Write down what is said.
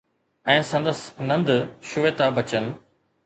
۽ سندس نند شيوتا بچن